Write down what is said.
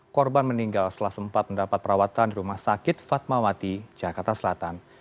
korban meninggal setelah sempat mendapat perawatan di rumah sakit fatmawati jakarta selatan